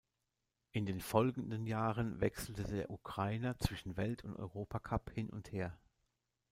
In den folgenden Jahren wechselte der Ukrainer zwischen Welt- und Europacup hin und her.